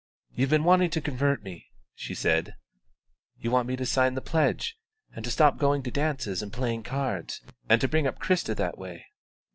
"You've been wanting to convert me," she said. "You want me to sign the pledge, and to stop going to dances and playing cards, and to bring up Christa that way."